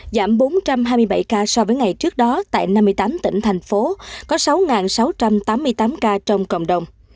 giảm bốn trăm hai mươi bảy ca so với ngày trước đó tại năm mươi tám tỉnh thành phố có sáu sáu trăm tám mươi tám ca trong cộng đồng